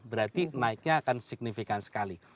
berarti naiknya akan signifikan sekali